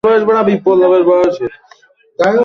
এই সেতু থেকে শহরের দৃশ্য অতি মনোরম।